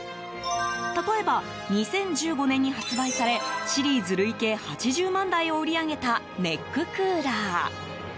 例えば、２０１５年に発売されシリーズ累計８０万台を売り上げたネッククーラー。